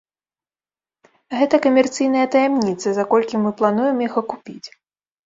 Гэта камерцыйная таямніца, за колькі мы плануем іх акупіць.